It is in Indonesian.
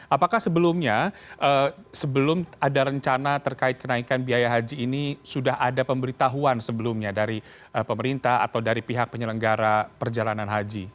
apakah sebelumnya sebelum ada rencana terkait kenaikan biaya haji ini sudah ada pemberitahuan sebelumnya dari pemerintah atau dari pihak penyelenggara perjalanan haji